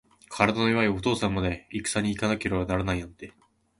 体の弱いお父さんまで、いくさに行かなければならないなんて。